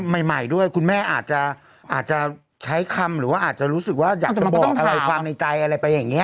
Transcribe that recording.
ใหม่ด้วยคุณแม่อาจจะใช้คำหรือว่าอาจจะรู้สึกว่าอยากจะบอกอะไรความในใจอะไรไปอย่างนี้